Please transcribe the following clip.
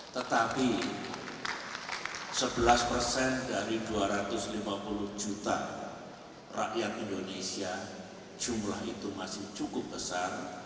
tetapi sebelas persen dari dua ratus lima puluh juta rakyat indonesia jumlah itu masih cukup besar